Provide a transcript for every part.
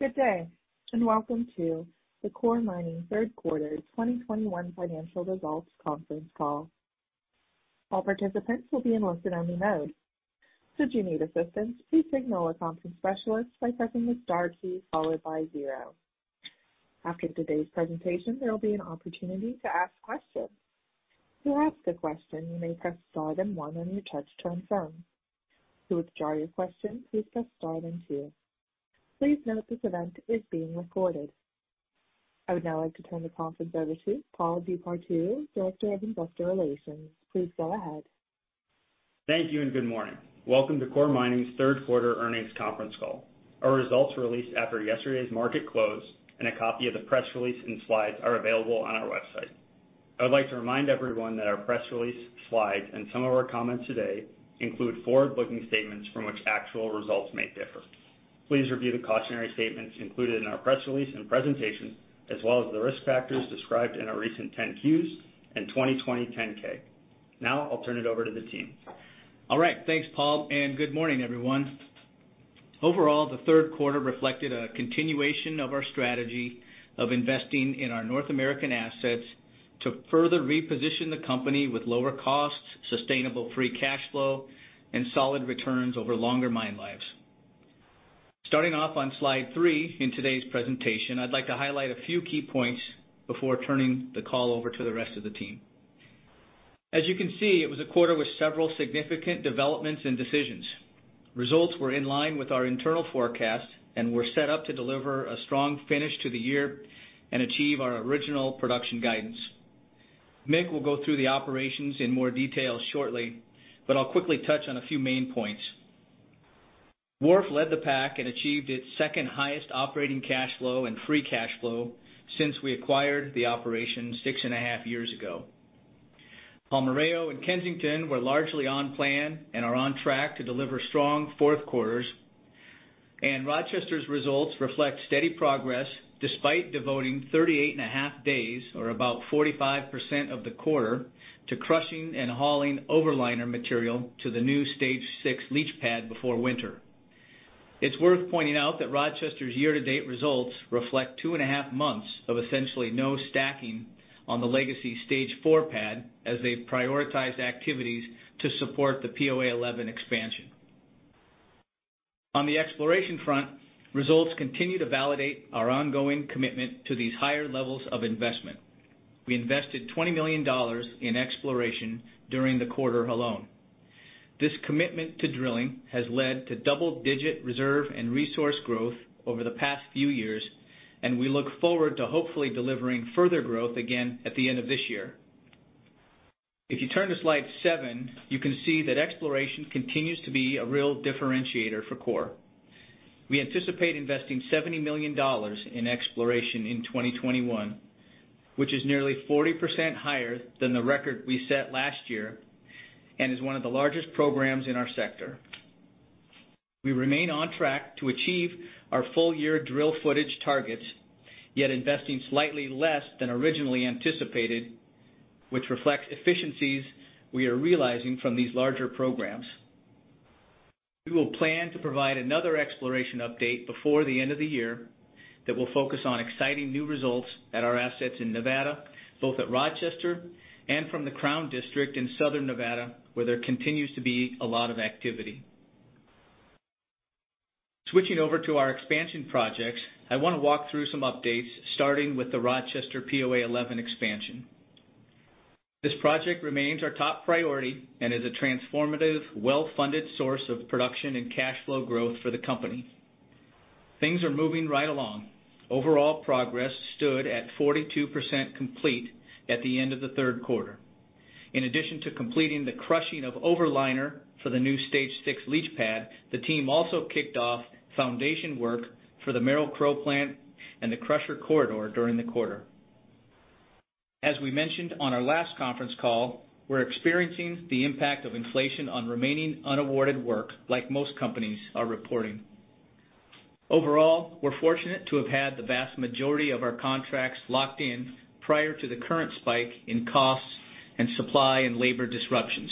Good day, and welcome to the Coeur Mining third quarter 2021 financial results conference call. All participants will be in listen-only mode. Should you need assistance, please signal a conference specialist by pressing the star key followed by zero. After today's presentation, there will be an opportunity to ask questions. To ask a question, you may press star then one on your touchtone phone. To withdraw your question, please press star then two. Please note this event is being recorded. I would now like to turn the conference over to Paul DePartout, Director of Investor Relations. Please go ahead. Thank you and good morning. Welcome to Coeur Mining's third quarter earnings conference call. Our results were released after yesterday's market close, and a copy of the press release and slides are available on our website. I would like to remind everyone that our press release, slides, and some of our comments today include forward-looking statements from which actual results may differ. Please review the cautionary statements included in our press release and presentation, as well as the risk factors described in our recent 10-Qs and 2020 10-K. Now I'll turn it over to the team. All right. Thanks, Paul, and good morning, everyone. Overall, the third quarter reflected a continuation of our strategy of investing in our North American assets to further reposition the company with lower costs, sustainable free cash flow, and solid returns over longer mine lives. Starting off on slide 3 in today's presentation, I'd like to highlight a few key points before turning the call over to the rest of the team. As you can see, it was a quarter with several significant developments and decisions. Results were in line with our internal forecast and were set up to deliver a strong finish to the year and achieve our original production guidance. Mick will go through the operations in more detail shortly, but I'll quickly touch on a few main points. Wharf led the pack and achieved its second-highest operating cash flow and free cash flow since we acquired the operation six and a half years ago. Palmarejo and Kensington were largely on plan and are on track to deliver strong fourth quarters. Rochester's results reflect steady progress despite devoting 38.5 days, or about 45% of the quarter, to crushing and hauling overliner material to the new stage six leach pad before winter. It's worth pointing out that Rochester's year-to-date results reflect 2.5 months of essentially no stacking on the legacy stage four pad as they've prioritized activities to support the POA 11 expansion. On the exploration front, results continue to validate our ongoing commitment to these higher levels of investment. We invested $20 million in exploration during the quarter alone. This commitment to drilling has led to double-digit reserve and resource growth over the past few years, and we look forward to hopefully delivering further growth again at the end of this year. If you turn to slide 7, you can see that exploration continues to be a real differentiator for Coeur. We anticipate investing $70 million in exploration in 2021, which is nearly 40% higher than the record we set last year and is one of the largest programs in our sector. We remain on track to achieve our full-year drill footage targets, yet investing slightly less than originally anticipated, which reflects efficiencies we are realizing from these larger programs. We will plan to provide another exploration update before the end of the year that will focus on exciting new results at our assets in Nevada, both at Rochester and from the Crown District in Southern Nevada, where there continues to be a lot of activity. Switching over to our expansion projects, I want to walk through some updates, starting with the Rochester POA 11 expansion. This project remains our top priority and is a transformative, well-funded source of production and cash flow growth for the company. Things are moving right along. Overall progress stood at 42% complete at the end of the third quarter. In addition to completing the crushing of overliner for the new stage six leach pad, the team also kicked off foundation work for the Merrill-Crowe plant and the crusher corridor during the quarter. As we mentioned on our last conference call, we're experiencing the impact of inflation on remaining unawarded work, like most companies are reporting. Overall, we're fortunate to have had the vast majority of our contracts locked in prior to the current spike in costs and supply and labor disruptions.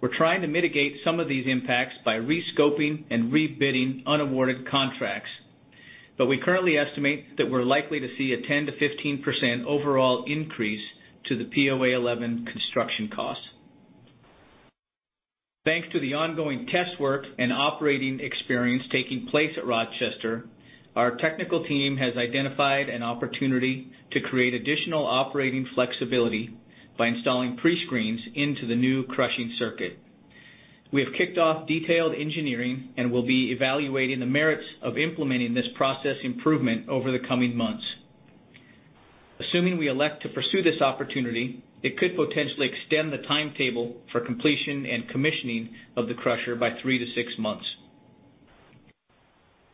We're trying to mitigate some of these impacts by rescoping and rebidding unawarded contracts, but we currently estimate that we're likely to see a 10%-15% overall increase to the POA 11 construction cost. Thanks to the ongoing test work and operating experience taking place at Rochester, our technical team has identified an opportunity to create additional operating flexibility by installing pre-screens into the new crushing circuit. We have kicked off detailed engineering and will be evaluating the merits of implementing this process improvement over the coming months. Assuming we elect to pursue this opportunity, it could potentially extend the timetable for completion and commissioning of the crusher by 3-6 months.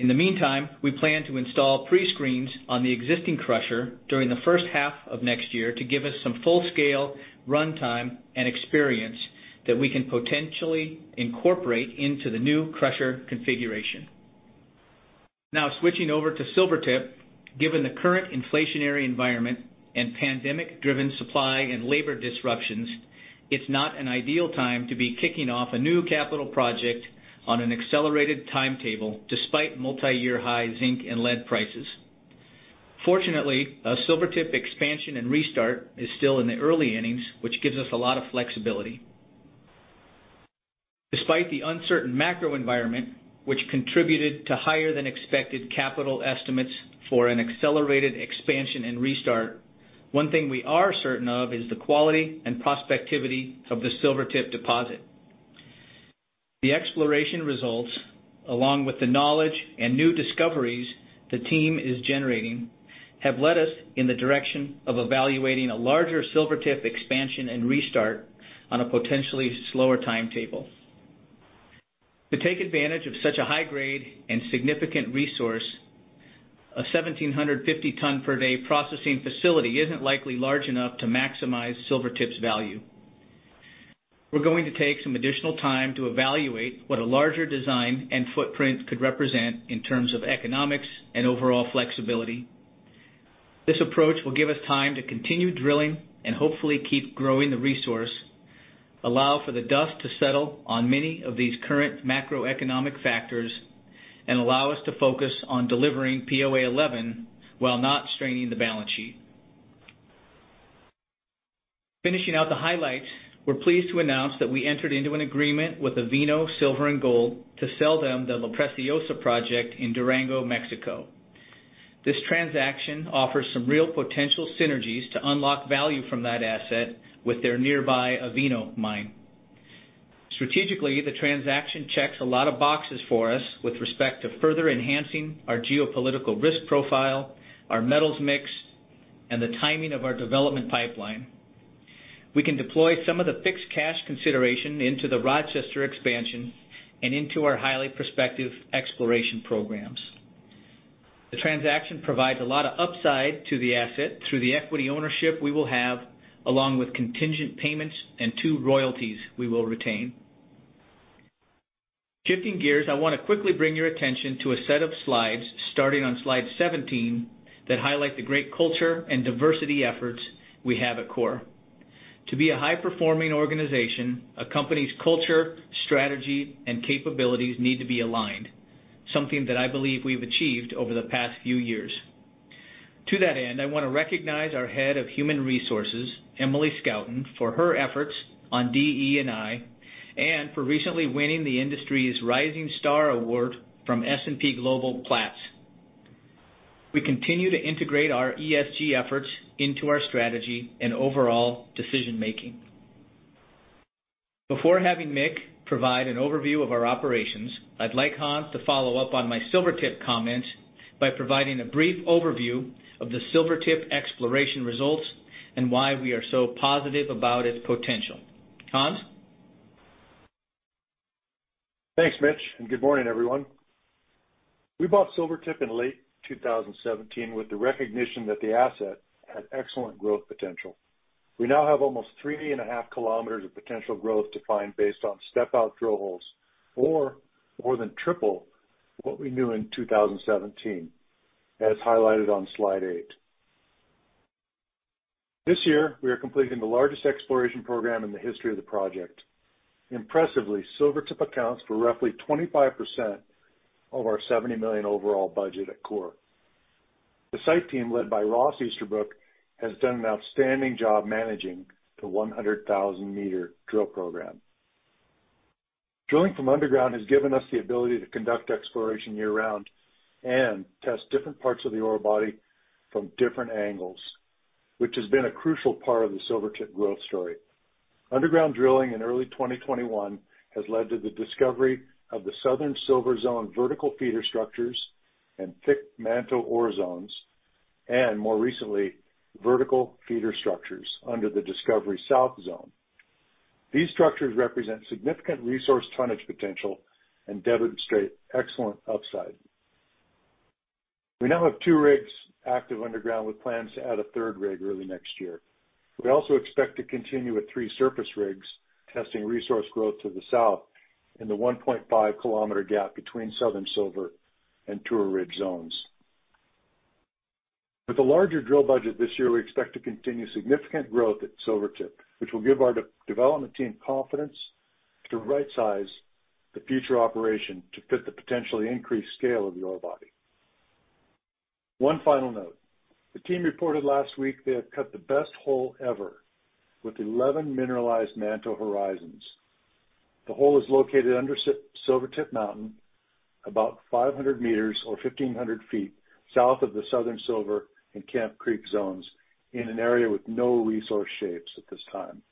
In the meantime, we plan to install pre-screens on the existing crusher during the first half of next year to give us some full-scale runtime and experience that we can potentially incorporate into the new crusher configuration. Now, switching over to Silvertip. Given the current inflationary environment and pandemic-driven supply and labor disruptions. It's not an ideal time to be kicking off a new capital project on an accelerated timetable despite multi-year high zinc and lead prices. Fortunately, our Silvertip expansion and restart is still in the early innings, which gives us a lot of flexibility. Despite the uncertain macro environment, which contributed to higher than expected capital estimates for an accelerated expansion and restart, one thing we are certain of is the quality and prospectivity of the Silvertip deposit. The exploration results, along with the knowledge and new discoveries the team is generating, have led us in the direction of evaluating a larger Silvertip expansion and restart on a potentially slower timetable. To take advantage of such a high grade and significant resource, a 1,750-ton-per-day processing facility isn't likely large enough to maximize Silvertip's value. We're going to take some additional time to evaluate what a larger design and footprint could represent in terms of economics and overall flexibility. This approach will give us time to continue drilling and hopefully keep growing the resource, allow for the dust to settle on many of these current macroeconomic factors, and allow us to focus on delivering POA 11 while not straining the balance sheet. Finishing out the highlights, we're pleased to announce that we entered into an agreement with Avino Silver & Gold to sell them the La Preciosa project in Durango, Mexico. This transaction offers some real potential synergies to unlock value from that asset with their nearby Avino Mine. Strategically, the transaction checks a lot of boxes for us with respect to further enhancing our geopolitical risk profile, our metals mix, and the timing of our development pipeline. We can deploy some of the fixed cash consideration into the Rochester expansion and into our highly prospective exploration programs. The transaction provides a lot of upside to the asset through the equity ownership we will have, along with contingent payments and two royalties we will retain. Shifting gears, I wanna quickly bring your attention to a set of slides starting on slide 17 that highlight the great culture and diversity efforts we have at Coeur. To be a high-performing organization, a company's culture, strategy, and capabilities need to be aligned, something that I believe we've achieved over the past few years. To that end, I wanna recognize our head of human resources, Emily Schouten, for her efforts on DE&I, and for recently winning the industry's Rising Star Award from S&P Global Platts. We continue to integrate our ESG efforts into our strategy and overall decision-making. Before having Mick provide an overview of our operations, I'd like Hans to follow up on my Silvertip comments by providing a brief overview of the Silvertip exploration results and why we are so positive about its potential. Hans? Thanks, Mitch, and good morning, everyone. We bought Silvertip in late 2017 with the recognition that the asset had excellent growth potential. We now have almost 3.5 kilometers of potential growth defined based on step-out drill holes or more than triple what we knew in 2017, as highlighted on slide 8. This year, we are completing the largest exploration program in the history of the project. Impressively, Silvertip accounts for roughly 25% of our $70 million overall budget at Coeur. The site team, led by Ross Easterbrook, has done an outstanding job managing the 100,000-meter drill program. Drilling from underground has given us the ability to conduct exploration year-round and test different parts of the ore body from different angles, which has been a crucial part of the Silvertip growth story. Underground drilling in early 2021 has led to the discovery of the Southern Silver zone vertical feeder structures and thick mantle ore zones, and more recently, vertical feeder structures under the Discovery South zone. These structures represent significant resource tonnage potential and demonstrate excellent upside. We now have two rigs active underground with plans to add a third rig early next year. We also expect to continue with three surface rigs testing resource growth to the south in the 1.5 km gap between Southern Silver and Tour Ridge zones. With a larger drill budget this year, we expect to continue significant growth at Silvertip, which will give our development team confidence to rightsize the future operation to fit the potentially increased scale of the ore body. One final note. The team reported last week they have cut the best hole ever with 11 mineralized mantle horizons. The hole is located under Silvertip Mountain, about 500 meters or 1,500 feet south of the Southern Silver and Camp Creek zones in an area with no resource shapes at this time.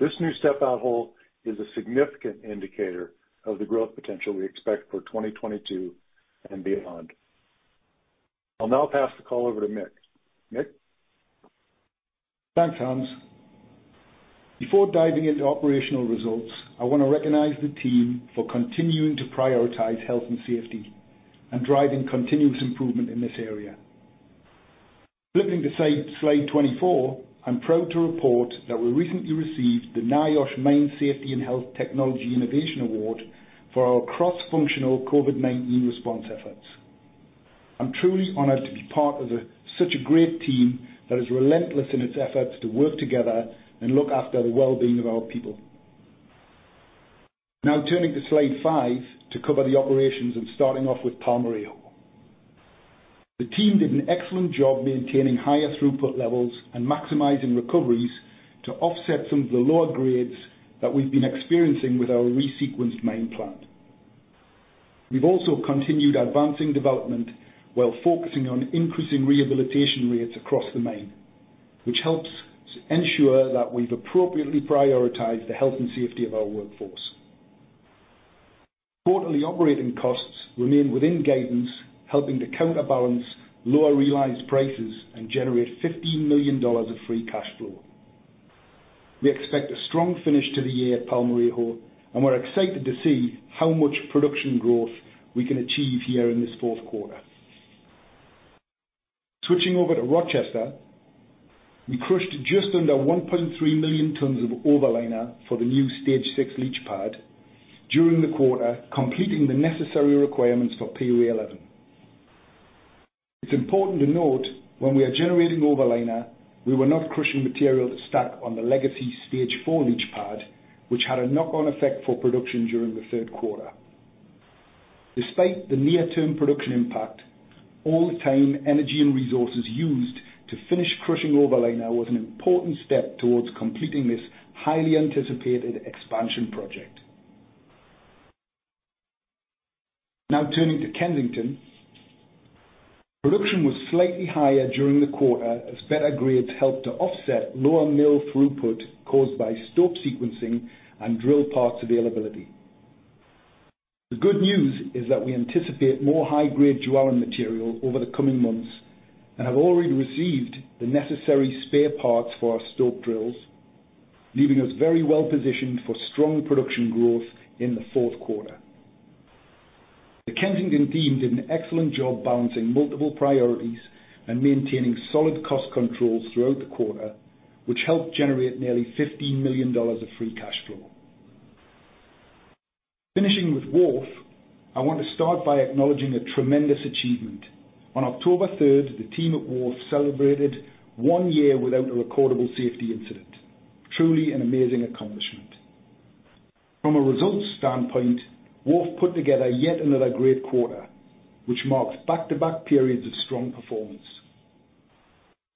This new step-out hole is a significant indicator of the growth potential we expect for 2022 and beyond. I'll now pass the call over to Mick. Mick? Thanks, Hans. Before diving into operational results, I wanna recognize the team for continuing to prioritize health and safety and driving continuous improvement in this area. Flipping to slide 24, I'm proud to report that we recently received the NIOSH Mine Safety and Health Technology Innovations Award for our cross-functional COVID-19 response efforts. I'm truly honored to be part of such a great team that is relentless in its efforts to work together and look after the well-being of our people. Now turning to slide 5 to cover the operations, and starting off with Palmarejo. The team did an excellent job maintaining higher throughput levels and maximizing recoveries to offset some of the lower grades that we've been experiencing with our resequenced mine plan. We've also continued advancing development while focusing on increasing rehabilitation rates across the mine, which helps ensure that we've appropriately prioritized the health and safety of our workforce. Quarterly operating costs remain within guidance, helping to counterbalance lower realized prices and generate $15 million of free cash flow. We expect a strong finish to the year at Palmarejo, and we're excited to see how much production growth we can achieve here in this fourth quarter. Switching over to Rochester, we crushed just under 1.3 million tons of overliner for the new stage six leach pad during the quarter, completing the necessary requirements for POA11. It's important to note when we are generating overliner, we were not crushing material to stack on the legacy stage four leach pad, which had a knock-on effect for production during the third quarter. Despite the near-term production impact, all the time, energy, and resources used to finish crushing overliner was an important step towards completing this highly anticipated expansion project. Now turning to Kensington. Production was slightly higher during the quarter as better grades helped to offset lower mill throughput caused by stope sequencing and drill parts availability. The good news is that we anticipate more high-grade Jualin material over the coming months and have already received the necessary spare parts for our stope drills, leaving us very well positioned for strong production growth in the fourth quarter. The Kensington team did an excellent job balancing multiple priorities and maintaining solid cost controls throughout the quarter, which helped generate nearly $15 million of free cash flow. Finishing with Wharf, I want to start by acknowledging a tremendous achievement. On October 3, the team at Wharf celebrated one year without a recordable safety incident. Truly an amazing accomplishment. From a results standpoint, Wharf put together yet another great quarter, which marks back-to-back periods of strong performance.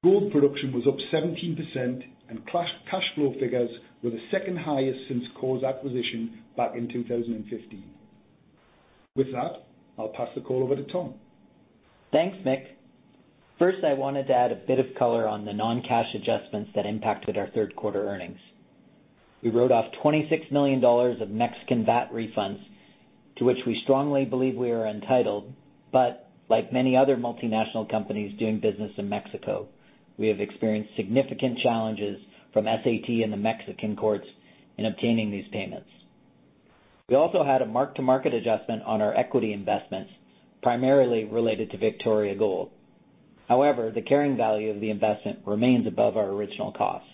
Gold production was up 17%, and cash flow figures were the second-highest since Coeur's acquisition back in 2015. With that, I'll pass the call over to Tom. Thanks, Mick. First, I wanted to add a bit of color on the non-cash adjustments that impacted our third quarter earnings. We wrote off $26 million of Mexican VAT refunds, to which we strongly believe we are entitled. Like many other multinational companies doing business in Mexico, we have experienced significant challenges from SAT and the Mexican courts in obtaining these payments. We also had a mark-to-market adjustment on our equity investments, primarily related to Victoria Gold. However, the carrying value of the investment remains above our original cost.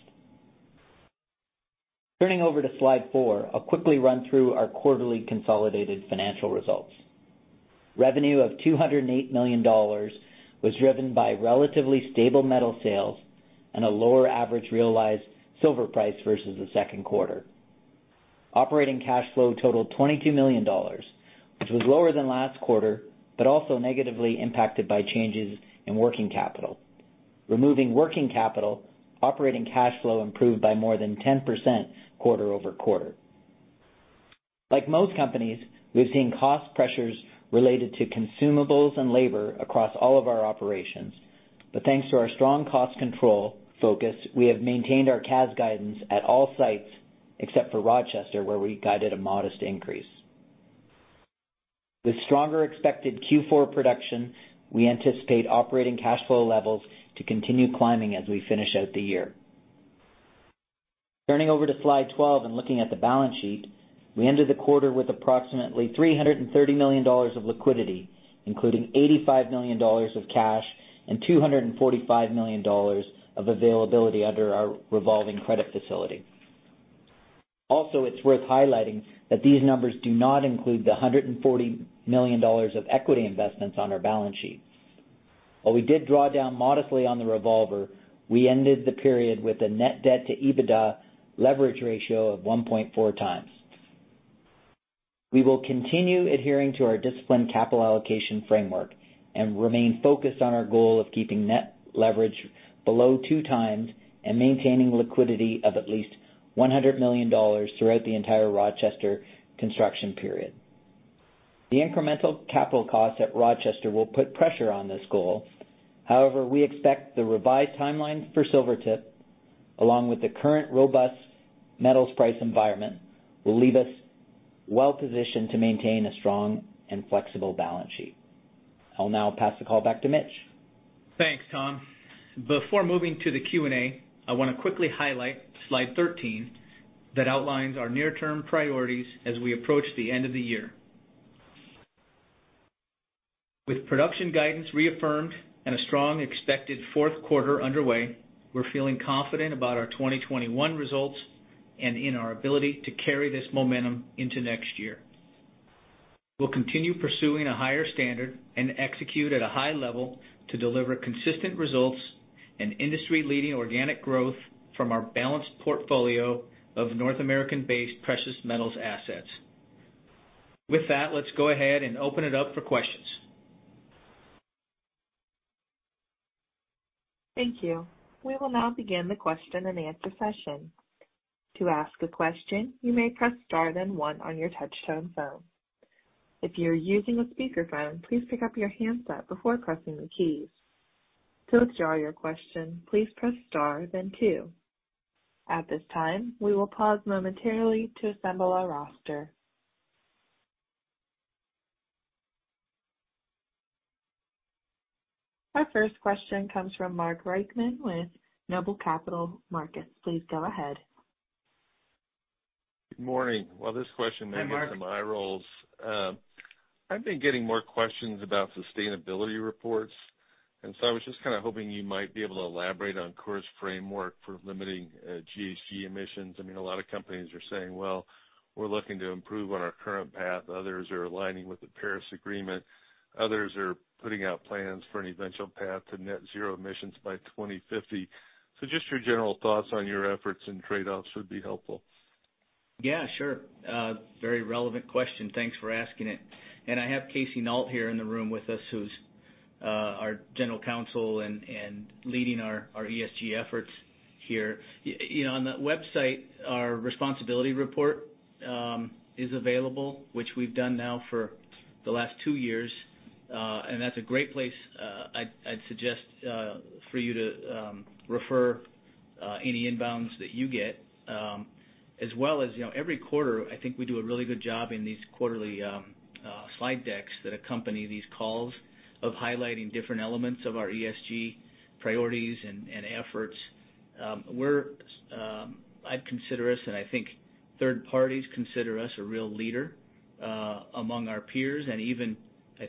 Turning over to slide four, I'll quickly run through our quarterly consolidated financial results. Revenue of $208 million was driven by relatively stable metal sales and a lower average realized silver price versus the second quarter. Operating cash flow totaled $22 million, which was lower than last quarter, but also negatively impacted by changes in working capital. Removing working capital, operating cash flow improved by more than 10% quarter-over-quarter. Like most companies, we've seen cost pressures related to consumables and labor across all of our operations. Thanks to our strong cost control focus, we have maintained our CAS guidance at all sites, except for Rochester, where we guided a modest increase. With stronger expected Q4 production, we anticipate operating cash flow levels to continue climbing as we finish out the year. Turning over to slide 12 and looking at the balance sheet, we ended the quarter with approximately $330 million of liquidity, including $85 million of cash and $245 million of availability under our revolving credit facility. It's worth highlighting that these numbers do not include the $140 million of equity investments on our balance sheet. While we did draw down modestly on the revolver, we ended the period with a net debt to EBITDA leverage ratio of 1.4 times. We will continue adhering to our disciplined capital allocation framework and remain focused on our goal of keeping net leverage below 2 times and maintaining liquidity of at least $100 million throughout the entire Rochester construction period. The incremental capital costs at Rochester will put pressure on this goal. However, we expect the revised timeline for Silvertip, along with the current robust metals price environment, will leave us well-positioned to maintain a strong and flexible balance sheet. I'll now pass the call back to Mitch. Thanks, Tom. Before moving to the Q&A, I wanna quickly highlight slide 13 that outlines our near-term priorities as we approach the end of the year. With production guidance reaffirmed and a strong expected fourth quarter underway, we're feeling confident about our 2021 results. In our ability to carry this momentum into next year. We'll continue pursuing a higher standard and execute at a high level to deliver consistent results and industry-leading organic growth from our balanced portfolio of North American-based precious metals assets. With that, let's go ahead and open it up for questions. Thank you. We will now begin the question-and-answer session. To ask a question, you may press star then one on your touchtone phone. If you're using a speakerphone, please pick up your handset before pressing the keys. To withdraw your question, please press star then two. At this time, we will pause momentarily to assemble our roster. Our first question comes from Mark Reichman with Noble Capital Markets. Please go ahead. Good morning. Well, this question may be. Hi, Mark. For my roles. I've been getting more questions about sustainability reports, and so I was just kinda hoping you might be able to elaborate on Coeur's framework for limiting GHG emissions. I mean, a lot of companies are saying, "Well, we're looking to improve on our current path." Others are aligning with the Paris Agreement. Others are putting out plans for an eventual path to net zero emissions by 2050. Just your general thoughts on your efforts and trade-offs would be helpful. Yeah, sure. Very relevant question. Thanks for asking it. I have Casey Nault here in the room with us, who's our general counsel and leading our ESG efforts here. You know, on the website, our responsibility report is available, which we've done now for the last two years. That's a great place I'd suggest for you to refer any inbounds that you get. As well as, you know, every quarter, I think we do a really good job in these quarterly slide decks that accompany these calls of highlighting different elements of our ESG priorities and efforts. I'd consider us, and I think third parties consider us a real leader among our peers. Even I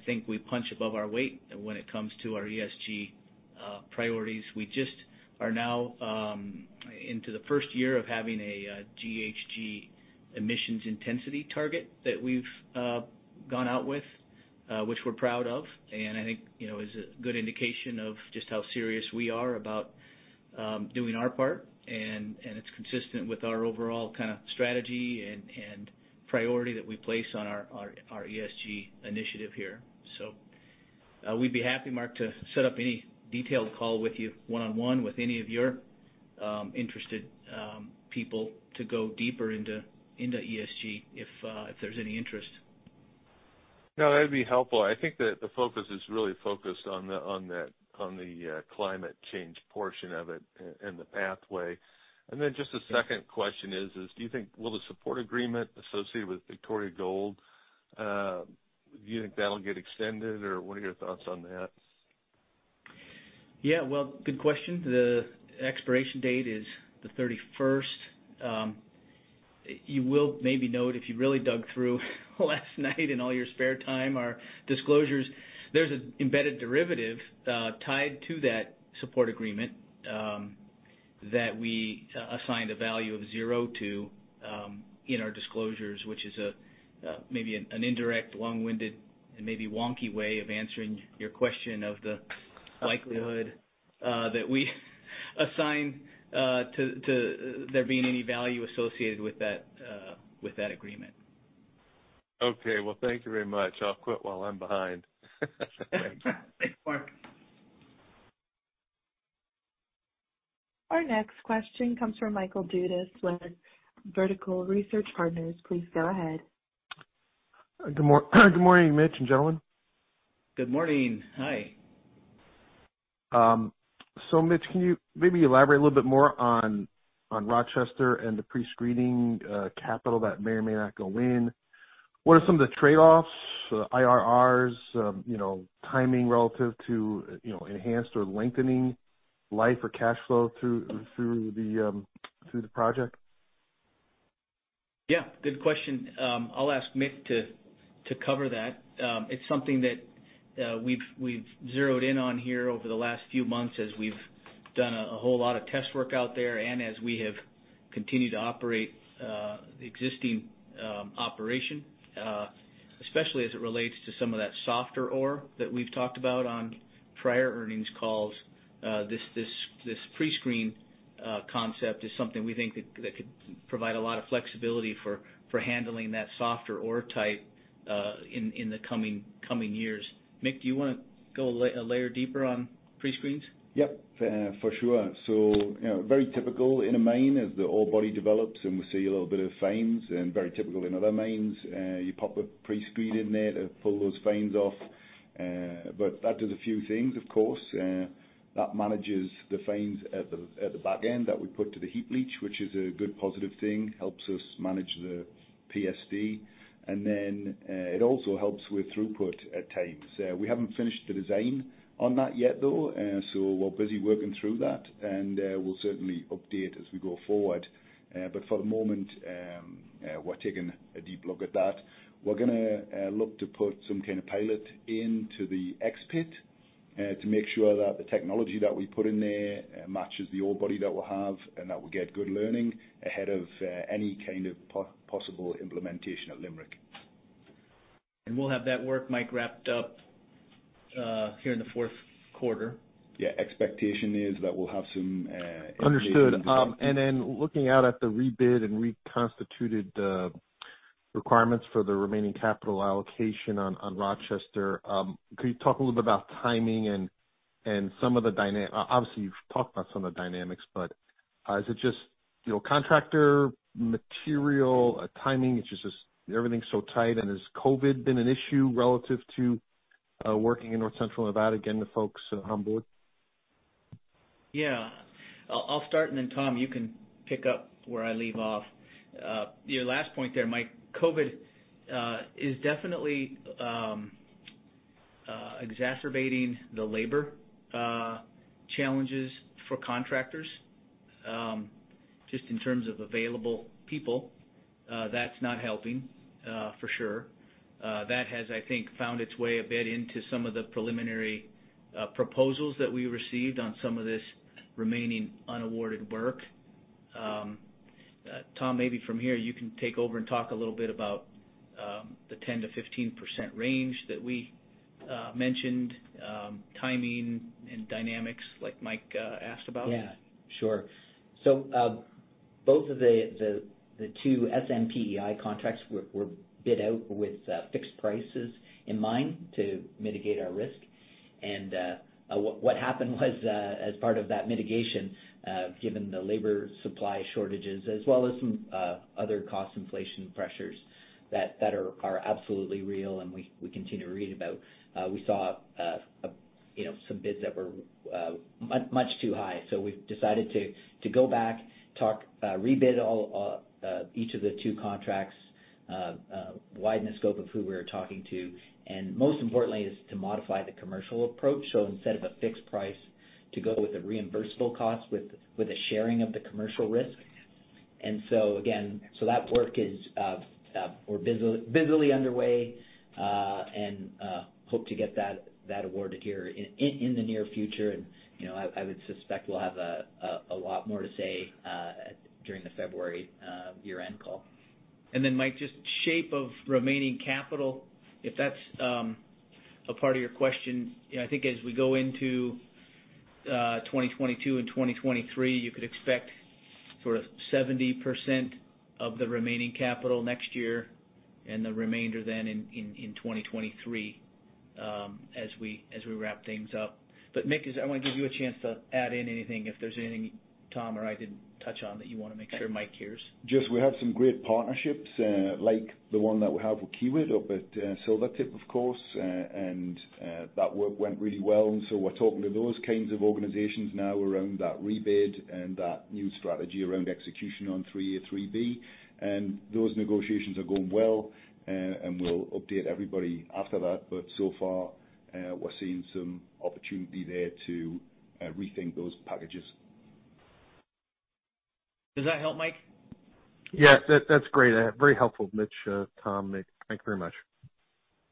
think we punch above our weight when it comes to our ESG priorities. We just are now into the first year of having a GHG emissions intensity target that we've gone out with, which we're proud of. I think you know is a good indication of just how serious we are about doing our part, and it's consistent with our overall kinda strategy and priority that we place on our ESG initiative here. We'd be happy, Mark, to set up any detailed call with you one-on-one with any of your interested people to go deeper into ESG if there's any interest. No, that'd be helpful. I think that the focus is really focused on the climate change portion of it and the pathway. Then just a second question is, do you think the support agreement associated with Victoria Gold will get extended, or what are your thoughts on that? Yeah. Well, good question. The expiration date is the thirty-first. You will maybe note, if you really dug through last night in all your spare time, our disclosures. There's an embedded derivative tied to that support agreement that we assign a value of zero to in our disclosures, which is maybe an indirect, long-winded, and maybe wonky way of answering your question of the likelihood that we assign to there being any value associated with that agreement. Okay. Well, thank you very much. I'll quit while I'm behind. Thanks, Mark. Our next question comes from Michael Dudas with Vertical Research Partners. Please go ahead. Good morning, Mitch and gentlemen. Good morning. Hi. Mitch, can you maybe elaborate a little bit more on Rochester and the pre-screening capital that may or may not go in? What are some of the trade-offs, the IRRs, you know, timing relative to, you know, enhanced or lengthening life or cash flow through the project? Yeah, good question. I'll ask Mick to cover that. It's something that we've zeroed in on here over the last few months as we've done a whole lot of test work out there and as we have continued to operate the existing operation, especially as it relates to some of that softer ore that we've talked about on prior earnings calls. This pre-screen concept is something we think that could provide a lot of flexibility for handling that softer ore type in the coming years. Mick, do you wanna go a layer deeper on pre-screens? Yep. For sure. You know, very typical in a mine as the ore body develops, and we see a little bit of veins. Very typical in other mines, you pop a pre-screen in there to pull those veins off. That does a few things, of course. That manages the veins at the back end that we put to the heap leach, which is a good positive thing, helps us manage the PSD. It also helps with throughput at times. We haven't finished the design on that yet, though, we're busy working through that. We'll certainly update as we go forward. For the moment, we're taking a deep look at that. We're gonna look to put some kind of pilot into the X pit to make sure that the technology that we put in there matches the ore body that we'll have, and that we get good learning ahead of any kind of possible implementation at Limerick. We'll have that work, Mike, wrapped up here in the fourth quarter. Yeah, expectation is that we'll have some information. Understood. Then looking out at the rebid and reconstituted requirements for the remaining capital allocation on Rochester, could you talk a little bit about timing and some of the dynamics? Obviously, you've talked about some of the dynamics, but is it just, you know, contractor, material, timing? It's just everything's so tight. Has COVID been an issue relative to working in North Central Nevada, getting the folks on board? I'll start, and then Tom, you can pick up where I leave off. Your last point there, Mike, COVID is definitely exacerbating the labor challenges for contractors. Just in terms of available people, that's not helping for sure. That has, I think, found its way a bit into some of the preliminary proposals that we received on some of this remaining unawarded work. Tom, maybe from here, you can take over and talk a little bit about the 10%-15% range that we mentioned, timing and dynamics like Mike asked about. Yeah, sure. Both of the two SMPE&I contracts were bid out with fixed prices in mind to mitigate our risk. What happened was, as part of that mitigation, given the labor supply shortages as well as some other cost inflation pressures that are absolutely real and we continue to read about, we saw, you know, some bids that were much too high. We've decided to go back, talk, rebid all each of the two contracts, widen the scope of who we're talking to, and most importantly is to modify the commercial approach. Instead of a fixed price, to go with a reimbursable cost with a sharing of the commercial risk. Again, that work is busily underway, and hope to get that awarded here in the near future. You know, I would suspect we'll have a lot more to say during the February year-end call. Mike, just shape of remaining capital, if that's a part of your question. You know, I think as we go into 2022 and 2023, you could expect sort of 70% of the remaining capital next year and the remainder then in 2023, as we wrap things up. Mick, I wanna give you a chance to add in anything, if there's anything Tom or I didn't touch on that you wanna make sure Mike hears. We have some great partnerships, like the one that we have with Kiewit up at Silvertip, of course. That work went really well, and so we're talking to those kinds of organizations now around that rebid and that new strategy around execution on 3A, 3B. Those negotiations are going well, and we'll update everybody after that. So far, we're seeing some opportunity there to rethink those packages. Does that help, Mike? Yes, that's great. Very helpful, Mitch, Tom, Mick. Thank you very much.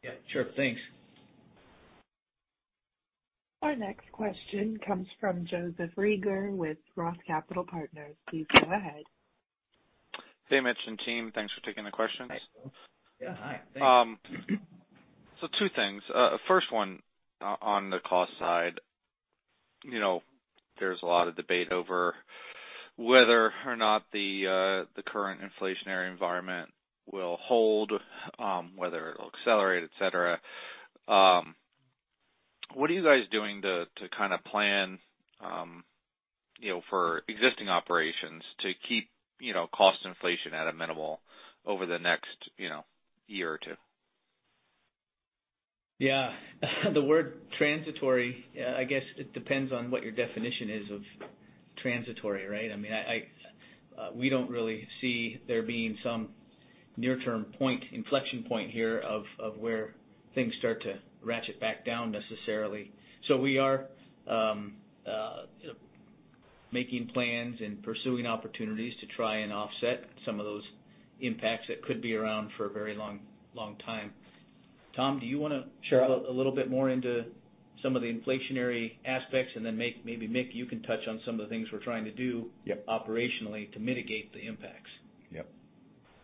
Yeah, sure. Thanks. Our next question comes from Joseph Reagor with ROTH Capital Partners. Please go ahead. Hey, Mitch and team. Thanks for taking the questions. Hi, Joe. Yeah. Hi. Thanks. Two things. First one, on the cost side. You know, there's a lot of debate over whether or not the current inflationary environment will hold, whether it'll accelerate, et cetera. What are you guys doing to kind of plan, you know, for existing operations to keep, you know, cost inflation at a minimum over the next, you know, year or two? Yeah. The word transitory, I guess it depends on what your definition is of transitory, right? I mean, we don't really see there being some near-term point, inflection point here of where things start to ratchet back down necessarily. We are, you know, making plans and pursuing opportunities to try and offset some of those impacts that could be around for a very long time. Tom, do you wanna- Sure. talk a little bit more about some of the inflationary aspects, and then maybe Mick, you can touch on some of the things we're trying to do. Yep. operationally to mitigate the impacts. Yep.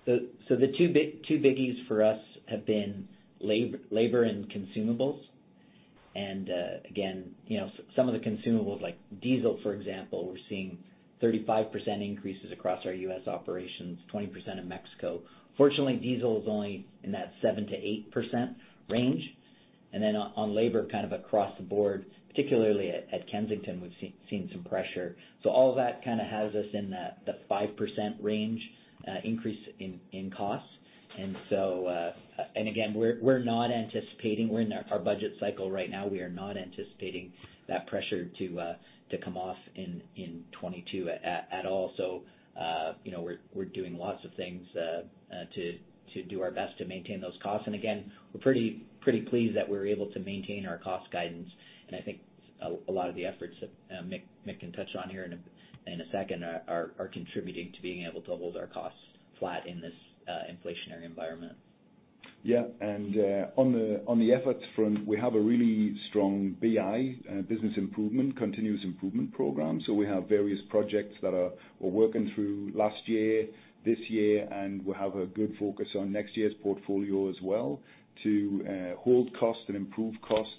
The two biggies for us have been labor and consumables. Again, you know, some of the consumables like diesel, for example, we're seeing 35% increases across our U.S. operations, 20% in Mexico. Fortunately, diesel is only in that 7%-8% range. On labor, kind of across the board, particularly at Kensington, we've seen some pressure. All of that kind of has us in that 5% range increase in costs. Again, we're not anticipating. We're in our budget cycle right now. We are not anticipating that pressure to come off in 2022 at all. You know, we're doing lots of things to do our best to maintain those costs. We're pretty pleased that we're able to maintain our cost guidance. I think a lot of the efforts that Mick can touch on here in a second are contributing to being able to hold our costs flat in this inflationary environment. Yeah. On the efforts front, we have a really strong BI business improvement continuous improvement program. We have various projects we're working through last year, this year, and we have a good focus on next year's portfolio as well to hold costs and improve costs,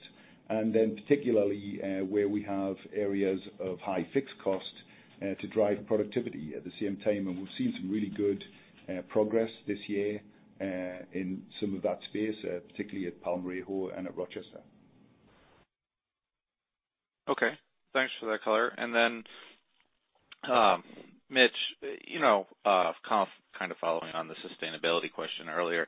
and then particularly where we have areas of high fixed cost to drive productivity at the same time. We've seen some really good progress this year in some of that space, particularly at Palmarejo and at Rochester. Okay. Thanks for that color. Then, Mitch, you know, kind of following on the sustainability question earlier,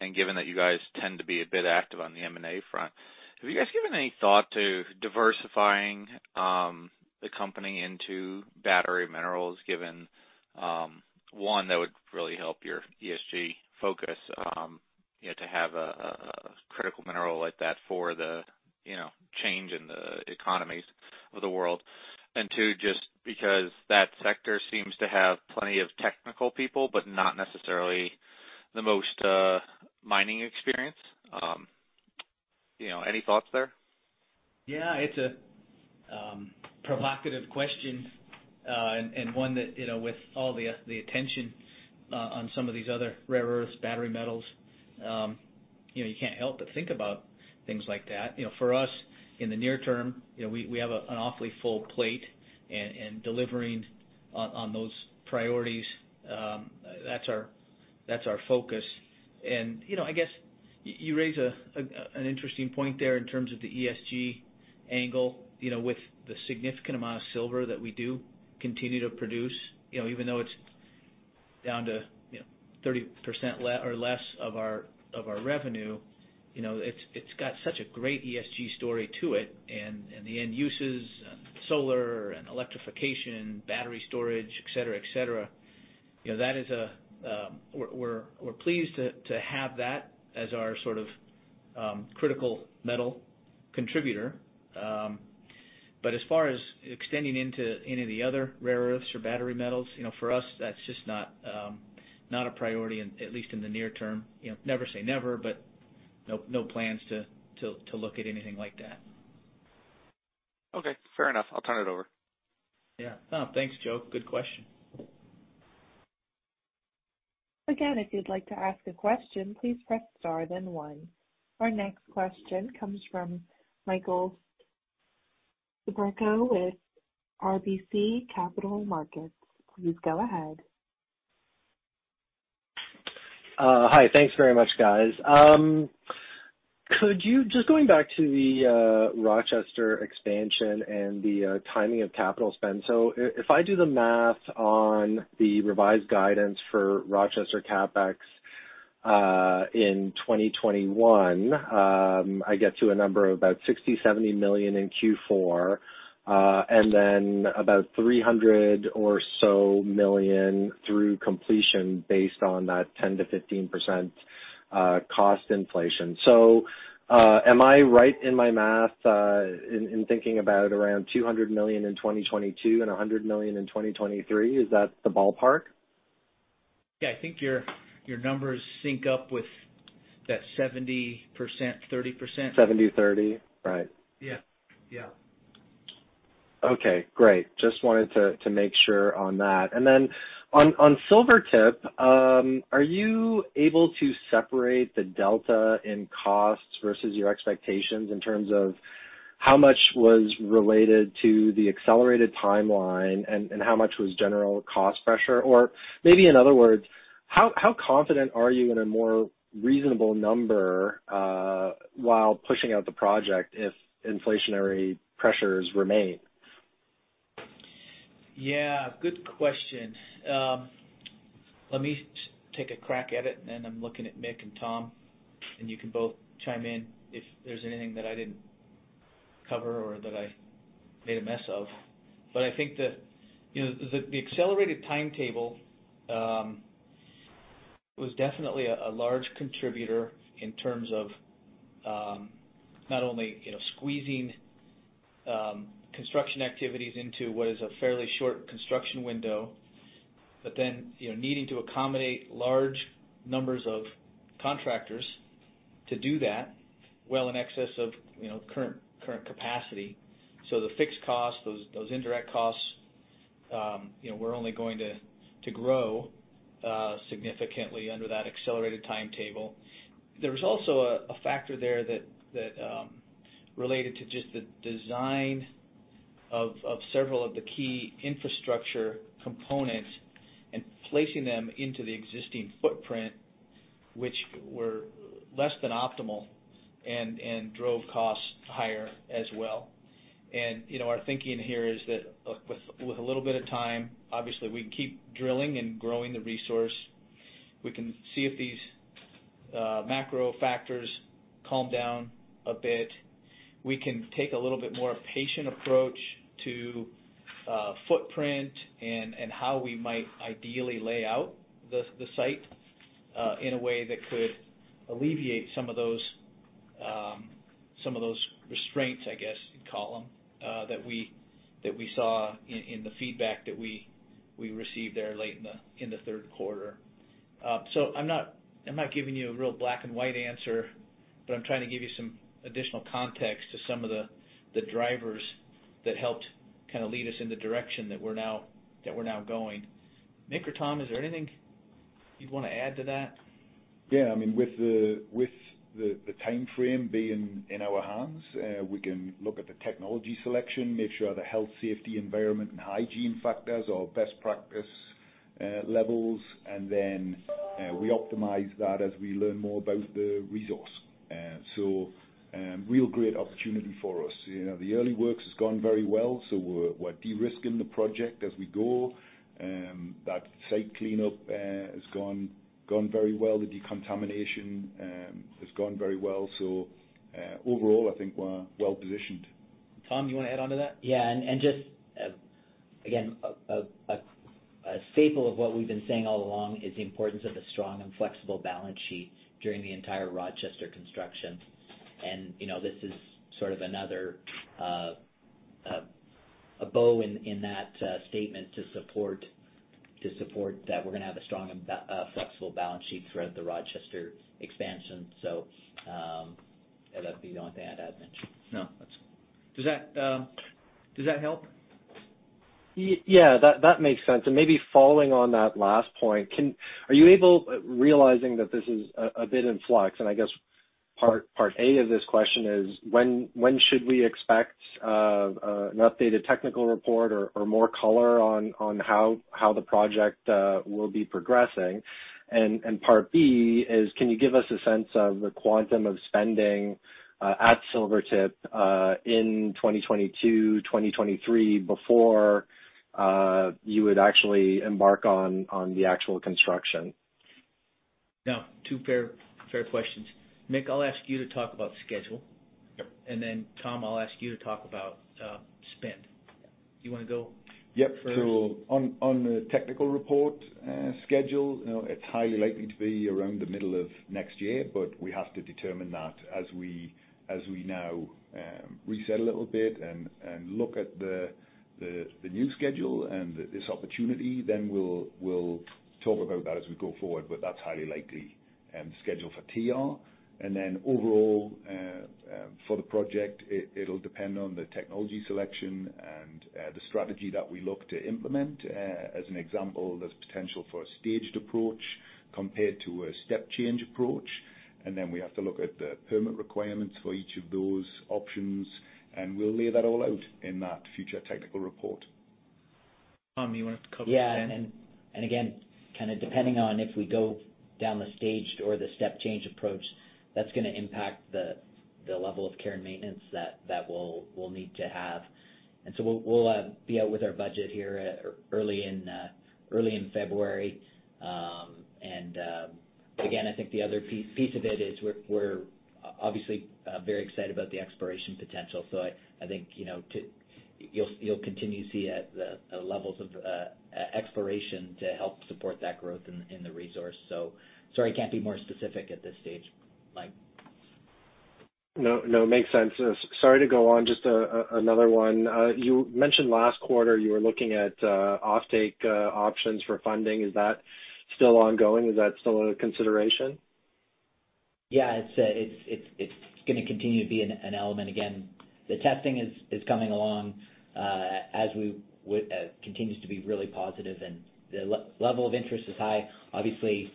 and given that you guys tend to be a bit active on the M&A front, have you guys given any thought to diversifying the company into battery minerals, given one, that would really help your ESG focus, you know, to have a critical mineral like that for the change in the economies of the world? And two, just because that sector seems to have plenty of technical people, but not necessarily the most mining experience. You know, any thoughts there? Yeah. It's a provocative question, and one that, you know, with all the the attention on some of these other rare earths, battery metals, you know, you can't help but think about things like that. You know, for us in the near term, you know, we have an awfully full plate, and delivering on those priorities, that's our focus. You know, I guess you raise an interesting point there in terms of the ESG angle. You know, with the significant amount of silver that we do continue to produce, you know, even though it's down to, you know, 30% or less of our revenue, you know, it's got such a great ESG story to it. The end uses, solar and electrification, battery storage, et cetera, et cetera, you know, that is a. We're pleased to have that as our sort of critical metal contributor. But as far as extending into any of the other rare earths or battery metals, you know, for us, that's just not a priority, at least in the near term. You know, never say never, but no plans to look at anything like that. Okay, fair enough. I'll turn it over. Yeah. No. Thanks, Joe. Good question. Again, if you'd like to ask a question, please press star then one. Our next question comes from Michael Siperco with RBC Capital Markets. Please go ahead. Hi. Thanks very much, guys. Just going back to the Rochester expansion and the timing of capital spend. If I do the math on the revised guidance for Rochester CapEx in 2021, I get to a number of about $60-$70 million in Q4, and then about $300 million through completion based on that 10%-15% cost inflation. Am I right in my math in thinking about around $200 million in 2022 and $100 million in 2023? Is that the ballpark? Yeah. I think your numbers sync up with that 70%, 30%. 70, 30? Right. Yeah. Yeah. Okay, great. Just wanted to make sure on that. On Silvertip, are you able to separate the delta in costs versus your expectations in terms of how much was related to the accelerated timeline and how much was general cost pressure? Or maybe in other words, how confident are you in a more reasonable number while pushing out the project if inflationary pressures remain? Yeah, good question. Let me take a crack at it, and then I'm looking at Mick and Tom, and you can both chime in if there's anything that I didn't cover or that I made a mess of. But I think that, you know, the accelerated timetable was definitely a large contributor in terms of, not only, you know, squeezing construction activities into what is a fairly short construction window, but then, you know, needing to accommodate large numbers of contractors to do that, well in excess of, you know, current capacity. The fixed costs, those indirect costs, you know, were only going to grow significantly under that accelerated timetable. There was also a factor there that related to just the design of several of the key infrastructure components and placing them into the existing footprint, which were less than optimal and drove costs higher as well. You know, our thinking here is that with a little bit of time, obviously, we keep drilling and growing the resource. We can see if these macro factors calm down a bit. We can take a little bit more patient approach to footprint and how we might ideally lay out the site in a way that could alleviate some of those restraints, I guess you'd call them, that we saw in the feedback that we received there late in the third quarter. I'm not giving you a real black-and-white answer, but I'm trying to give you some additional context to some of the drivers that helped kind of lead us in the direction that we're now going. Mick or Tom, is there anything you'd want to add to that? Yeah. I mean, with the timeframe being in our hands, we can look at the technology selection, make sure the health, safety, environment and hygiene factors are best practice levels. Then, we optimize that as we learn more about the resource. Real great opportunity for us. You know, the early works has gone very well, so we're de-risking the project as we go. That site cleanup has gone very well. The decontamination has gone very well. Overall, I think we're well-positioned. Tom, you wanna add on to that? Just again a staple of what we've been saying all along is the importance of a strong and flexible balance sheet during the entire Rochester construction. You know, this is sort of another bow in that statement to support that we're gonna have a strong and flexible balance sheet throughout the Rochester expansion. Ed, if you don't want to add, I'd mention. No, that's. Does that help? Yeah, that makes sense. Maybe following on that last point, are you able, realizing that this is a bit in flux, and I guess part A of this question is when should we expect an updated technical report or more color on how the project will be progressing? Part B is can you give us a sense of the quantum of spending at Silvertip in 2022, 2023 before you would actually embark on the actual construction? Now, two fair questions. Mick, I'll ask you to talk about schedule. Yep. Tom, I'll ask you to talk about spend. Do you wanna go first? Yep. On the technical report schedule, you know, it's highly likely to be around the middle of next year, but we have to determine that as we now reset a little bit and look at the new schedule and this opportunity, then we'll talk about that as we go forward. That's highly likely schedule for TR. Overall, for the project, it'll depend on the technology selection and the strategy that we look to implement. As an example, there's potential for a staged approach compared to a step change approach. We have to look at the permit requirements for each of those options, and we'll lay that all out in that future technical report. Tom, you wanted to cover again? Again, kind of depending on if we go down the staged or the step change approach, that's gonna impact the level of care and maintenance that we'll be out with our budget here early in February. Again, I think the other piece of it is we're obviously very excited about the exploration potential. I think, you know, you'll continue to see the levels of exploration to help support that growth in the resource. Sorry, I can't be more specific at this stage, Mike. No, no, makes sense. Sorry to go on, just another one. You mentioned last quarter you were looking at offtake options for funding. Is that still ongoing? Is that still a consideration? Yeah. It's gonna continue to be an element. Again, the testing is coming along, continues to be really positive, and the level of interest is high. Obviously,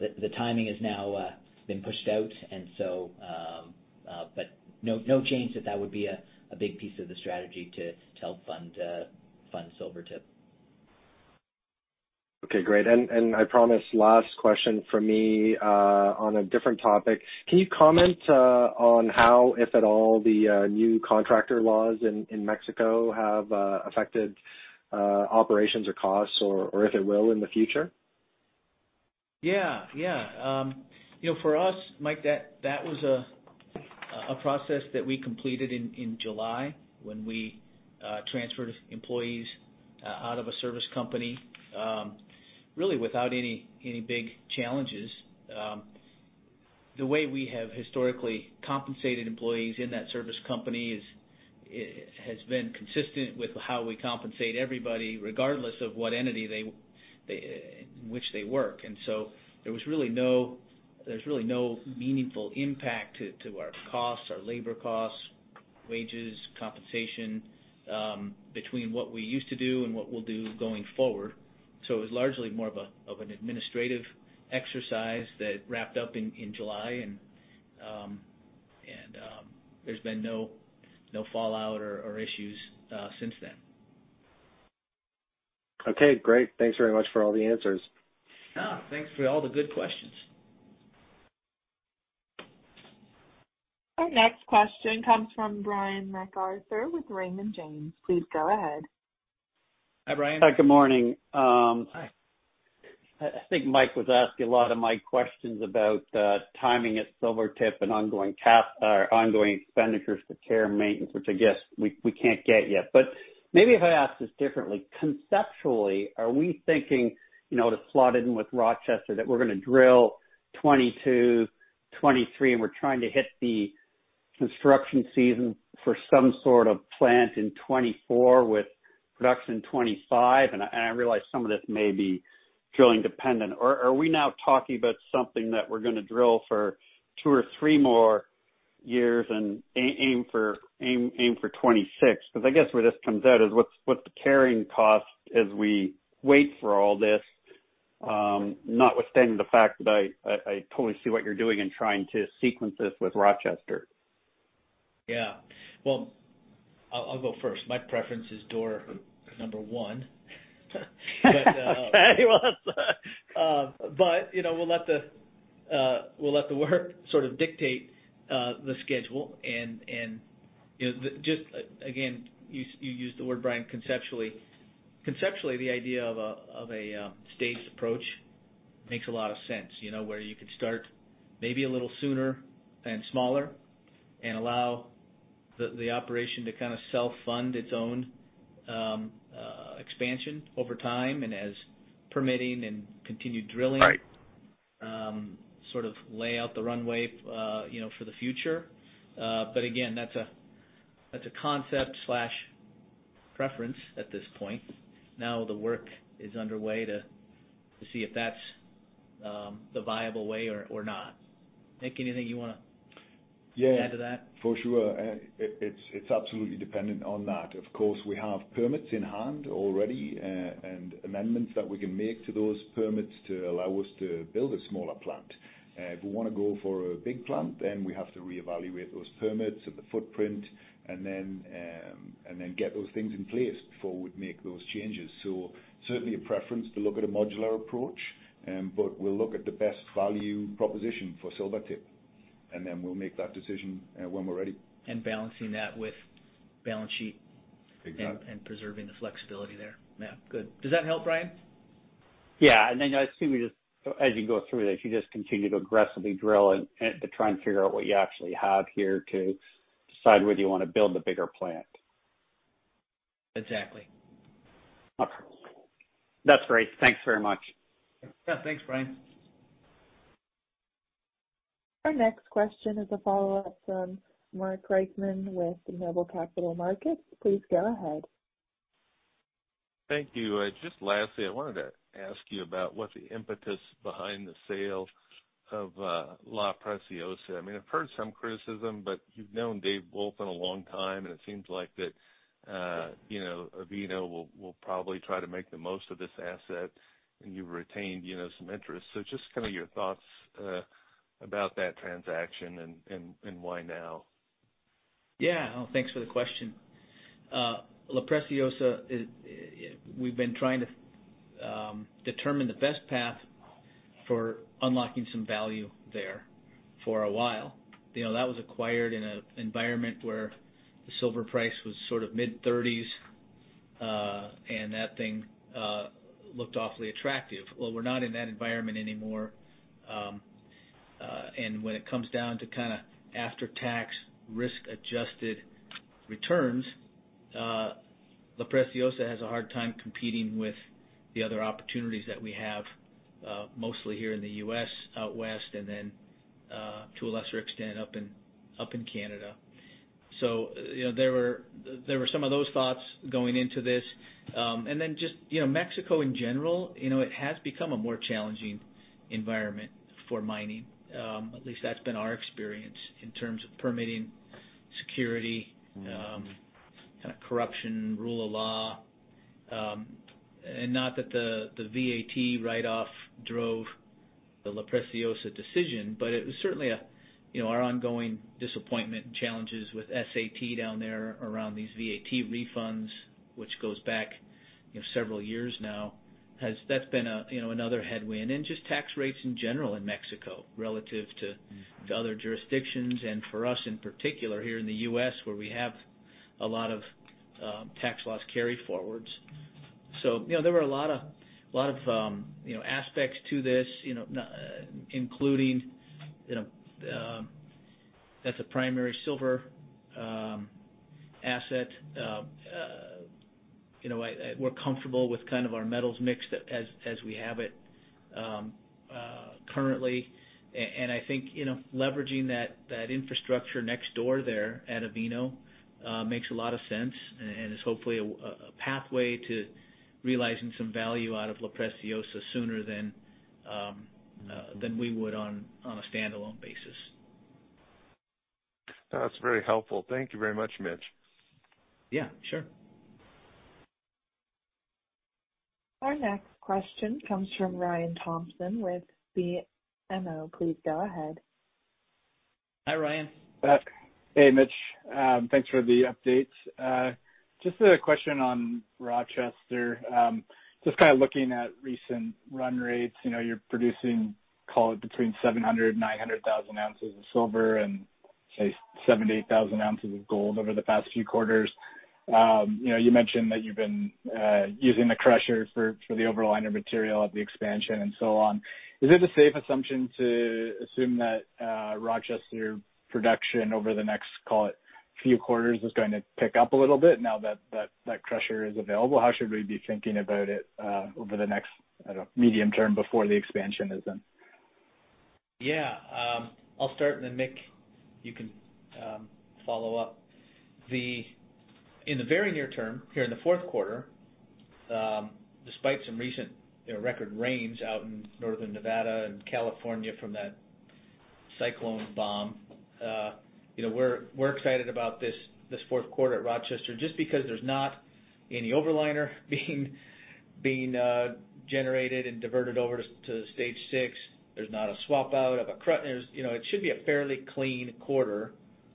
the timing has now been pushed out, but no change that would be a big piece of the strategy to help fund Silvertip. Okay, great. I promise, last question from me, on a different topic. Can you comment on how, if at all, the new contractor laws in Mexico have affected operations or costs or if it will in the future? Yeah, yeah. You know, for us, Mike, that was a process that we completed in July when we transferred employees out of a service company, really without any big challenges. The way we have historically compensated employees in that service company has been consistent with how we compensate everybody, regardless of what entity they in which they work. There's really no meaningful impact to our costs, our labor costs, wages, compensation, between what we used to do and what we'll do going forward. It was largely more of an administrative exercise that wrapped up in July. There's been no fallout or issues since then. Okay, great. Thanks very much for all the answers. No, thanks for all the good questions. Our next question comes from Brian MacArthur with Raymond James. Please go ahead. Hi, Brian. Hi. Good morning. Hi I think Mike was asking a lot of my questions about timing at Silvertip and ongoing expenditures for care and maintenance, which I guess we can't get yet. Maybe if I ask this differently, conceptually, are we thinking, you know, to slot in with Rochester, that we're gonna drill 2022, 2023, and we're trying to hit the construction season for some sort of plant in 2024 with production in 2025, and I realize some of this may be drilling dependent. Are we now talking about something that we're gonna drill for two or three more years and aim for 2026? Because I guess where this comes out is what's the carrying cost as we wait for all this, notwithstanding the fact that I totally see what you're doing in trying to sequence this with Rochester. Yeah. Well, I'll go first. My preference is door number one. Okay. Well, that's, You know, we'll let the work sort of dictate the schedule and, you know, just again, you used the word, Brian, conceptually. Conceptually, the idea of a staged approach makes a lot of sense, you know, where you could start maybe a little sooner and smaller and allow the operation to kind of self-fund its own expansion over time. As permitting and continued drilling Right sort of lay out the runway, you know, for the future. Again, that's a concept slash preference at this point. Now the work is underway to see if that's the viable way or not. Mick, anything you wanna- Yeah Add to that? For sure. It's absolutely dependent on that. Of course, we have permits in hand already, and amendments that we can make to those permits to allow us to build a smaller plant. If we wanna go for a big plant, then we have to reevaluate those permits and the footprint and then get those things in place before we'd make those changes. Certainly a preference to look at a modular approach, but we'll look at the best value proposition for Silvertip, and then we'll make that decision when we're ready. Balancing that with balance sheet. Exactly Preserving the flexibility there. Yeah. Good. Does that help, Brian? Yeah. Then I assume you just, as you go through this, you just continue to aggressively drill and to try and figure out what you actually have here to decide whether you wanna build the bigger plant. Exactly. Okay. That's great. Thanks very much. Yeah, thanks, Brian. Our next question is a follow-up from Mark Reichman with Noble Capital Markets. Please go ahead. Thank you. Just lastly, I wanted to ask you about what the impetus behind the sale of La Preciosa. I mean, I've heard some criticism, but you've known David Wolfin a long time, and it seems like that you know, Avino will probably try to make the most of this asset, and you've retained you know, some interest. Just kinda your thoughts about that transaction and why now. Yeah. Well, thanks for the question. La Preciosa we've been trying to determine the best path for unlocking some value there for a while. You know, that was acquired in a environment where the silver price was sort of mid-30s, and that thing looked awfully attractive. Well, we're not in that environment anymore, and when it comes down to kinda after-tax risk-adjusted returns, La Preciosa has a hard time competing with the other opportunities that we have, mostly here in the U.S. out West and then to a lesser extent up in Canada. You know, there were some of those thoughts going into this. Mexico in general, you know, it has become a more challenging environment for mining, at least that's been our experience in terms of permitting security, kinda corruption, rule of law. Not that the VAT write-off drove the La Preciosa decision, but it was certainly a, you know, our ongoing disappointment and challenges with SAT down there around these VAT refunds, which goes back, you know, several years now, that's been a, you know, another headwind. Just tax rates in general in Mexico relative to- Mm-hmm... to other jurisdictions, and for us, in particular, here in the U.S., where we have a lot of tax loss carryforwards. You know, there were a lot of aspects to this, you know, including, you know, that's a primary silver asset. You know, I we're comfortable with kind of our metals mix as we have it currently. I think, you know, leveraging that infrastructure next door there at Avino makes a lot of sense and is hopefully a pathway to realizing some value out of La Preciosa sooner than we would on a standalone basis. That's very helpful. Thank you very much, Mitch. Yeah, sure. Our next question comes from Ryan Thompson with BMO. Please go ahead. Hi, Ryan. Back. Hey, Mitch. Thanks for the update. Just a question on Rochester. Just kind of looking at recent run rates, you know, you're producing, call it between 700,000-900,000 ounces of silver and, say, 70,000-80,000 ounces of gold over the past few quarters. You know, you mentioned that you've been using the crusher for the overliner material of the expansion and so on. Is it a safe assumption to assume that Rochester production over the next, call it, few quarters is going to pick up a little bit now that that crusher is available? How should we be thinking about it over the next, I don't know, medium term before the expansion is in? Yeah. I'll start and then, Mick, you can follow up. In the very near term, here in the fourth quarter, despite some recent, you know, record rains out in Northern Nevada and California from that bomb cyclone, you know, we're excited about this fourth quarter at Rochester, just because there's not any overliner being generated and diverted over to stage six. You know, it should be a fairly clean quarter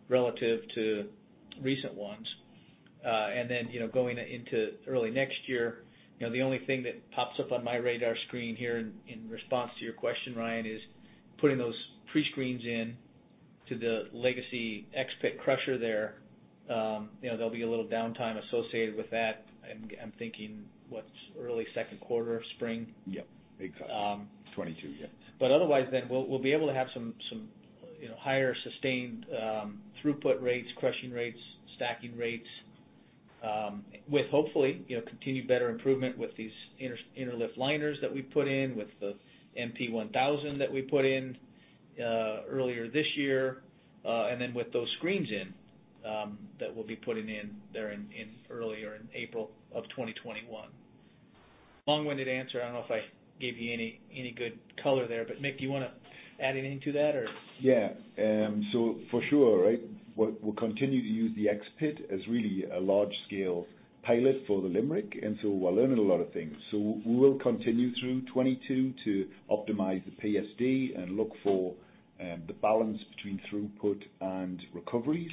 relative to recent ones. Then, you know, going into early next year, you know, the only thing that pops up on my radar screen here in response to your question, Ryan, is putting those prescreens in to the legacy X pit crusher there. You know, there'll be a little downtime associated with that. I'm thinking early second quarter, spring. Yep, exactly. Um- 2022, yes. Otherwise, then we'll be able to have some you know, higher sustained throughput rates, crushing rates, stacking rates, with hopefully, you know, continued better improvement with these interlift liners that we put in, with the MP1000 that we put in earlier this year. With those screens that we'll be putting in there earlier in April of 2021. Long-winded answer. I don't know if I gave you any good color there. Mick, do you wanna add anything to that or? Yeah. For sure, right? We'll continue to use the X pit as really a large scale pilot for the Limerick, and so we're learning a lot of things. We will continue through 2022 to optimize the PSD and look for the balance between throughput and recoveries.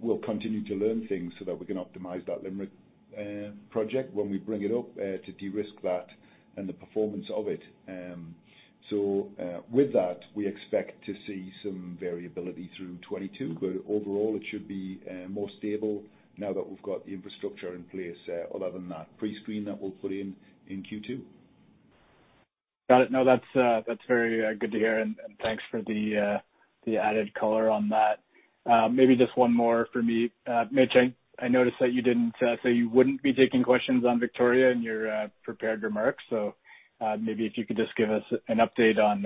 We'll continue to learn things so that we can optimize that Limerick project when we bring it up to de-risk that and the performance of it. With that, we expect to see some variability through 2022. Overall, it should be more stable now that we've got the infrastructure in place other than that prescreen that we'll put in in Q2. Got it. No, that's very good to hear, and thanks for the added color on that. Maybe just one more for me. Mitch, I noticed that you didn't say you wouldn't be taking questions on Victoria in your prepared remarks. Maybe if you could just give us an update on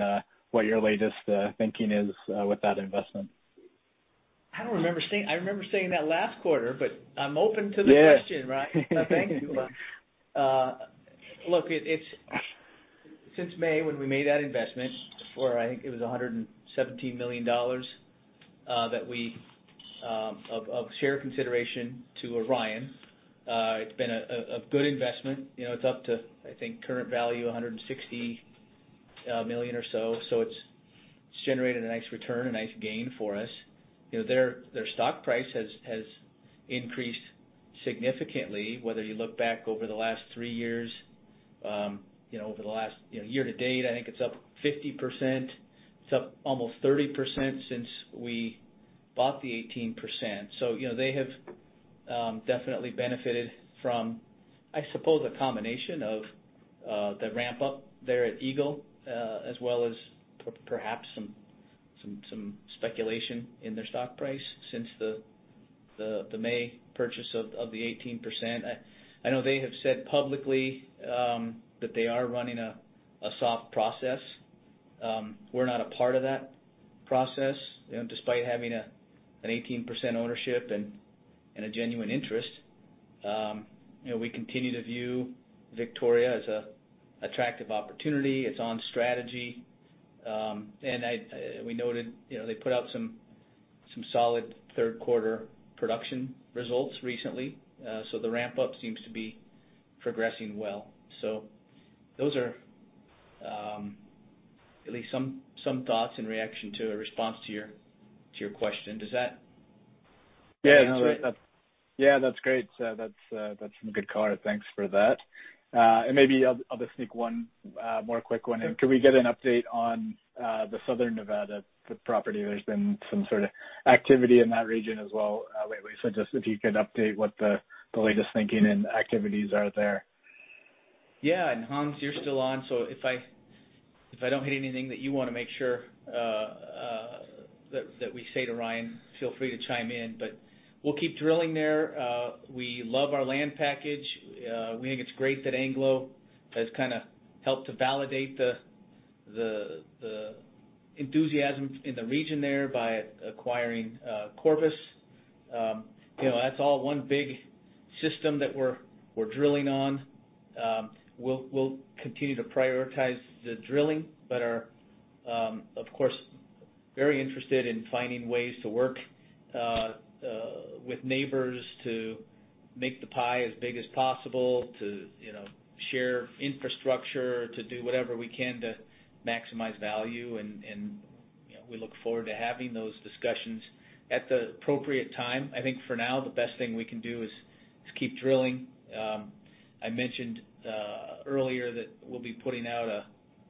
what your latest thinking is with that investment. I remember saying that last quarter, but I'm open to the question. Yeah. Ryan. No, thank you. Look, since May, when we made that investment of $117 million that we in the form of share consideration to Orion, it's been a good investment. You know, it's up to, I think, current value $160 million or so. So it's generated a nice return, a nice gain for us. You know, their stock price has increased significantly, whether you look back over the last three years, you know, over the last year to date, I think it's up 50%. It's up almost 30% since we bought the 18%. You know, they have definitely benefited from, I suppose, a combination of the ramp up there at Eagle, as well as perhaps some speculation in their stock price since the May purchase of the 18%. I know they have said publicly that they are running a soft process. We're not a part of that process, you know, despite having an 18% ownership and a genuine interest. You know, we continue to view Victoria as an attractive opportunity. It's on strategy. We noted, you know, they put out some solid third quarter production results recently. The ramp up seems to be progressing well. Those are at least some thoughts and reaction in response to your question. Does that answer it? Yeah, no, that, yeah, that's great. That's some good color. Thanks for that. Maybe I'll just sneak one more quick one in. Sure. Can we get an update on the Southern Nevada property? There's been some sort of activity in that region as well, lately. Just if you could update what the latest thinking and activities are there. Yeah. Hans, you're still on, so if I don't hit anything that you wanna make sure that we say to Ryan, feel free to chime in. We'll keep drilling there. We love our land package. We think it's great that Anglo has kinda helped to validate the enthusiasm in the region there by acquiring Corvus. You know, that's all one big system that we're drilling on. We'll continue to prioritize the drilling, but we are, of course, very interested in finding ways to work with neighbors to make the pie as big as possible to, you know, share infrastructure, to do whatever we can to maximize value. You know, we look forward to having those discussions at the appropriate time. I think for now, the best thing we can do is keep drilling. I mentioned earlier that we'll be putting out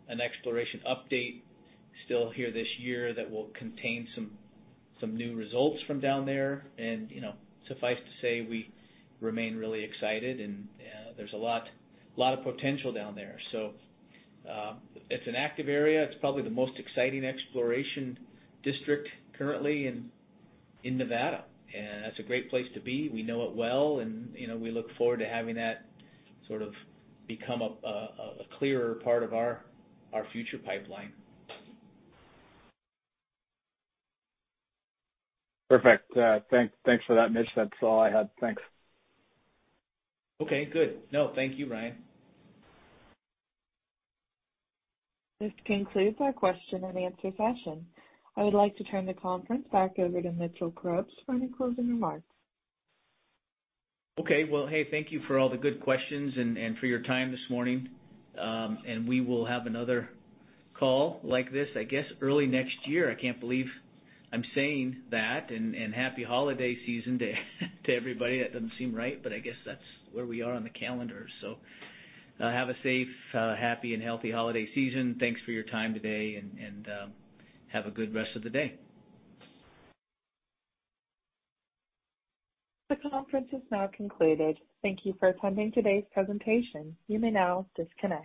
an exploration update still here this year that will contain some new results from down there. You know, suffice to say, we remain really excited and there's a lot of potential down there. It's an active area. It's probably the most exciting exploration district currently in Nevada, and that's a great place to be. We know it well, and you know, we look forward to having that sort of become a clearer part of our future pipeline. Perfect. Thanks for that, Mitch. That's all I had. Thanks. Okay, good. No, thank you, Ryan. This concludes our question and answer session. I would like to turn the conference back over to Mitchell Krebs for any closing remarks. Okay. Well, hey, thank you for all the good questions and for your time this morning. We will have another call like this, I guess, early next year. I can't believe I'm saying that. Happy holiday season to everybody. That doesn't seem right, but I guess that's where we are on the calendar. Have a safe happy and healthy holiday season. Thanks for your time today and have a good rest of the day. The conference is now concluded. Thank you for attending today's presentation. You may now disconnect.